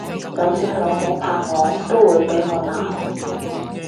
就算老母拍我都會俾我鬧！